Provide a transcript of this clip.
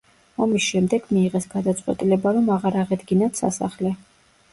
ომის შემდეგ მიიღეს გადაწყვეტილება, რომ აღარ აღედგინათ სასახლე.